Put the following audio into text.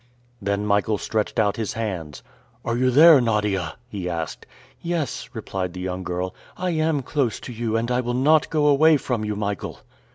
Then Michael stretched out his hands. "Are you there, Nadia?" he asked. "Yes," replied the young girl; "I am close to you, and I will not go away from you, Michael."